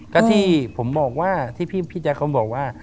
ก็ที่ผมบอกว่าที่พี่แจ๊คเขาบอกว่า